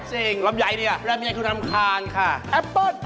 จริงรับย้ายนี่ล่ะรับย้ายคือนำคาญค่ะแอปเปิ้ล